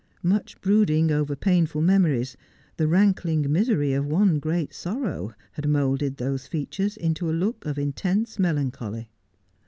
Much brooding over painful memories, the rankling misery of one great sorrow, had moulded those features into a look of intense melancholy.